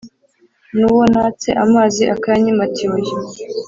nuwo natse amazi akayanyima ati oya